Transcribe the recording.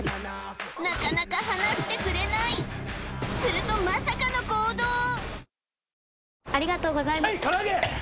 なかなか離してくれないするとまさかの行動！